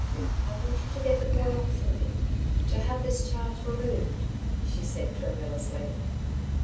"I want you to get the boy off for me ... to have this charge removed," she said, tremulously.